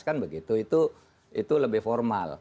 kan begitu itu lebih formal